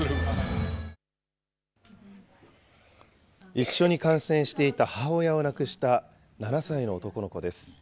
一緒に観戦していた母親を亡くした７歳の男の子です。